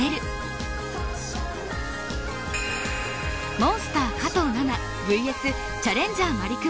モンスター加藤ナナＶＳチャレンジャーまりくま。